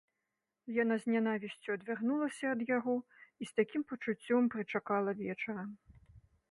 Яна з нянавісцю адвярнулася ад яго і з такім пачуццем прычакала вечара.